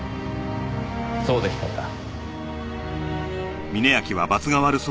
そうでしたか。